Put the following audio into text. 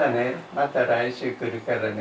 また来週来るからね。